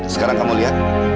sekarang kamu lihat